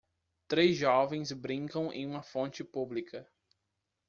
Três jovens brincam em uma fonte pública.